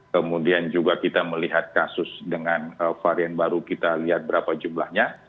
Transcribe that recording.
kemudian juga kita melihat kasus dengan varian baru kita lihat berapa jumlahnya